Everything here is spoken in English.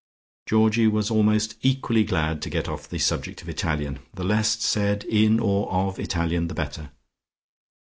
Georgie was almost equally glad to get off the subject of Italian. The less said in or of Italian the better.